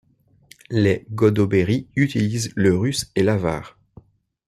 Les Godoberis utilisent le russe et l'avar.